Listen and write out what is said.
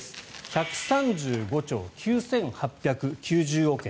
１３５兆９８９０億円。